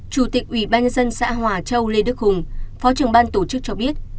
chủ tịch ủy ban dân xã hòa châu lê đức hùng phó trưởng ban tổ chức cho biết